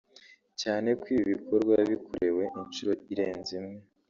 cyane ko ibi bikorwa yabikorewe inshuri irenze imwe”